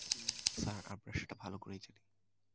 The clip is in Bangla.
স্যার, আমরা সেটা ভালো করেই জানি।